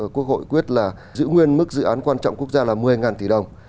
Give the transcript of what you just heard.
quốc hội quyết là giữ nguyên mức dự án quan trọng quốc gia là một mươi tỷ đồng